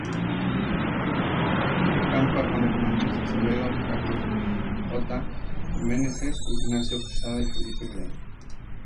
Campa, Juan Hernández Acevedo, Carlos J. Meneses, Ignacio Quesada y Felipe Villanueva.